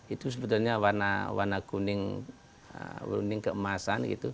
itu sebenarnya warna kuning keemasan